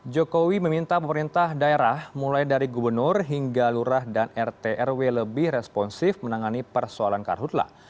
jokowi meminta pemerintah daerah mulai dari gubernur hingga lurah dan rt rw lebih responsif menangani persoalan karhutlah